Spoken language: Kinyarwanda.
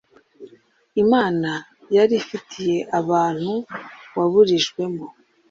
imana yari ifitiye abantu waburijwemo